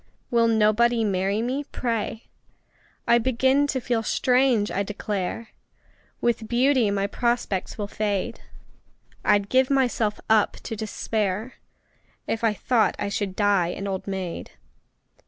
Will nobody marry me, pray! I begin to feel strange, I declare! With beauty my prospects will fade I'd give myself up to despair If I thought I should die an old maid!